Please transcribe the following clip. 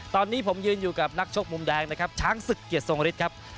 ตอนนี้ผมยืนอยู่กับนักชกมุมแดงนะครับช้างศึกเกียรติทรงฤทธิ์ครับ